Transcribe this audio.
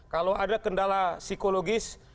kalau ada kendala psikologis